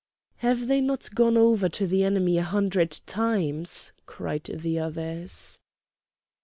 "Have they not gone over to the enemy a hundred times?" cried the others.